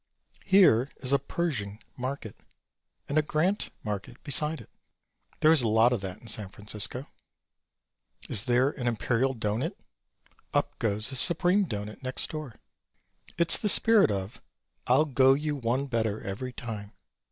Here is a "Pershing Market" and a "Grant Market," beside it. There's a lot of that in San Francisco. Is there an "Imperial Doughnut?" Up goes a "Supreme Doughnut" next door. It's the spirit of "I'll go you one better every time."